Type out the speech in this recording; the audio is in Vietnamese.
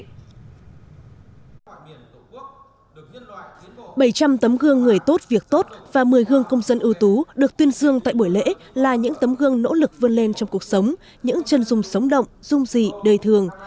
bảy trăm linh tấm gương người tốt việc tốt và một mươi gương công dân ưu tú được tuyên dương tại buổi lễ là những tấm gương nỗ lực vươn lên trong cuộc sống những chân dung sống động dung dị đời thường